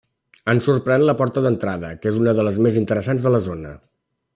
En sorprèn la porta d'entrada, que és una de les més interessants de la zona.